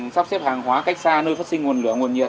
sắp xếp hàng hóa cách xa nơi phát sinh nguồn lửa nguồn nhiệt